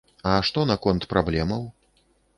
А што наконт праблемаў?